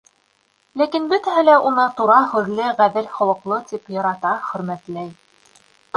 Ләкин бөтәһе лә уны тура һүҙле, ғәҙел холоҡло тип ярата, хөрмәтләй.